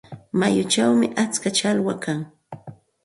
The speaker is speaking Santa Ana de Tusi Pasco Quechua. Mayuchawmi atska challwa kan.